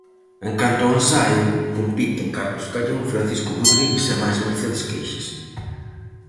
En canto ao ensaio, compiten Carlos Callón, Francisco Rodríguez e mais Mercedes Queixas.